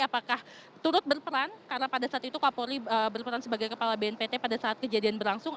apakah turut berperan karena pada saat itu kapolri berperan sebagai kepala bnpt pada saat kejadian berlangsung